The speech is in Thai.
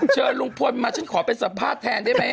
เชินรุงพลนิมัติขอเป็นสโปรภาพแทนได้ไหม